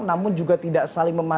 namun juga tidak saling memahami